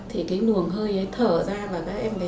thì luồng hơi thở ra và em bé sẽ hít phải